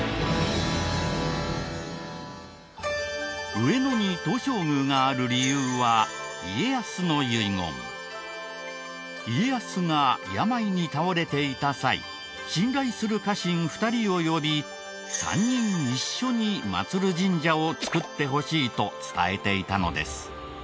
上野に東照宮がある理由は家康が病に倒れていた際信頼する家臣２人を呼び３人一緒に祭る神社を作ってほしいと伝えていたのです。